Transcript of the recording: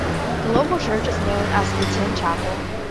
The local church is known as the "Tin Chapel".